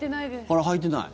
あら、履いてない？